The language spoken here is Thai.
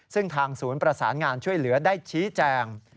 ซึ่งทางศูนย์ประสานงานช่วยเหลือได้ชี้แจง